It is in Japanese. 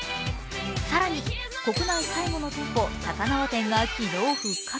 更に国内最後の店舗、高輪店が昨日復活。